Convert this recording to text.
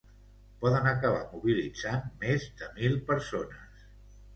poden acabar mobilitzant més de mil persones